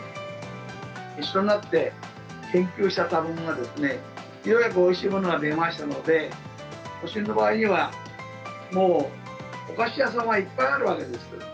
一緒になって、研究した卵が、ようやくおいしいものが出ましたので、都心の場合には、もうお菓子屋さんはいっぱいあるわけです。